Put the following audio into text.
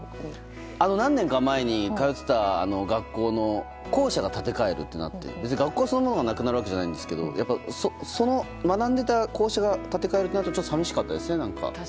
何年か前に通っていた学校の校舎が建て替えるとなって別に、学校そのものがなくなるわけじゃないんですがその学んでいた校舎が建て替えるとなると寂しかったですね。